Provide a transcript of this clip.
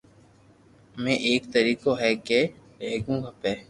امي ايڪ طريقو ھي ڪي ليکووُ کپي